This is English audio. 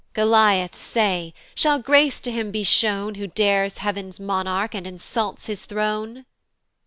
"Goliath say, shall grace to him be shown, "Who dares heav'ns Monarch, and insults his throne?"